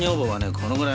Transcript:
このぐらい。